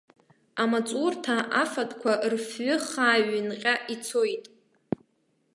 Амаҵурҭа афатәқәа рфҩы хаа ҩынҟьа ицоит.